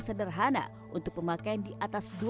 sederhana untuk pemakaian di atas